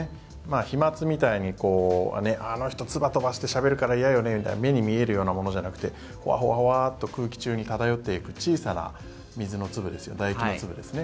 飛まつみたいにあの人つば飛ばしてしゃべるから嫌よねみたいな目に見えるようなものじゃなくてホワホワと空気中に漂っていく小さな水の粒だ液の粒ですよね。